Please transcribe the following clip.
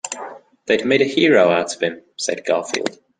"They'd made a hero out of him," said Garfield.